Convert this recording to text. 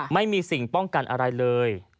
ไม่มีสิ่งป้องกันอะไรเลย